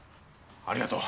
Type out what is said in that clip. ありがとう。